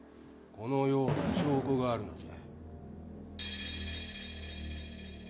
このような証拠があるのじゃ。